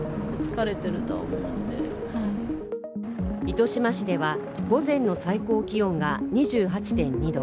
糸島市では午前の最高気温が２８．２度。